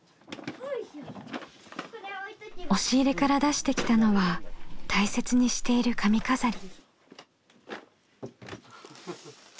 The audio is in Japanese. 押し入れから出してきたのは大切にしている髪飾り。